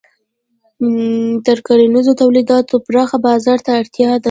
د کرنیزو تولیداتو پراخ بازار ته اړتیا ده.